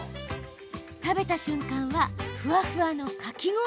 食べた瞬間はふわふわのかき氷。